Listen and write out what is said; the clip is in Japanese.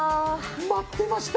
待ってました！